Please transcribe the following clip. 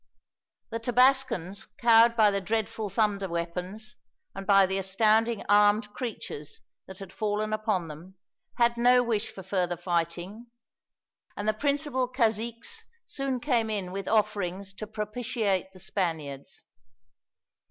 The Tabascans, cowed by the dreadful thunder weapons, and by the astounding armed creatures that had fallen upon them, had no wish for further fighting, and the principal caziques soon came in with offerings to propitiate the Spaniards.